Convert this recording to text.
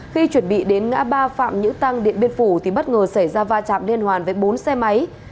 khi chuẩn bị đến ngã ba phạm nữ tăng điện biên phủ thì bất ngờ xảy ra va chạm liên hoàn với bốn xe máy